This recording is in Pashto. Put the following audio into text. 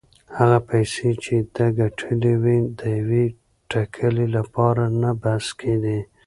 هغه پیسې چې ده ګټلې وې د یوې ټکلې لپاره نه بس کېدې.